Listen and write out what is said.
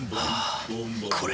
これ。